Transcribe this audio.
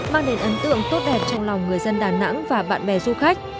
mang đến ấn tượng tốt đẹp trong lòng người dân đà nẵng và bạn bè du khách